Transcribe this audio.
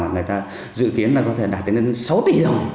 mà người ta dự kiến có thể đạt đến sáu tỷ đồng